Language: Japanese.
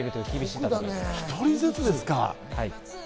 １人ずつですか？